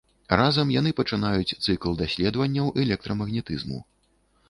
Разам яны пачынаюць цыкл даследаванняў электрамагнетызму.